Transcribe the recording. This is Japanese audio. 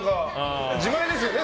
自前ですよね。